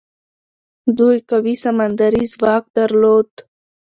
دوی قوي سمندري ځواک درلود.